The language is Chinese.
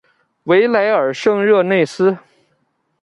维莱尔圣热内斯。